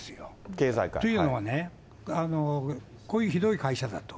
経済界？というのはね、こういうひどい会社だと。